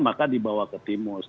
maka dibawa ke timus